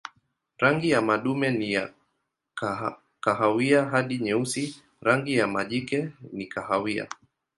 Rangi ya madume ni kahawia hadi nyeusi, rangi ya majike ni kahawia.